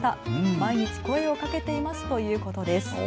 毎日、声をかけていますということです。